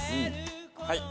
はい。